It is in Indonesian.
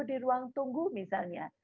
di ruang tunggu misalnya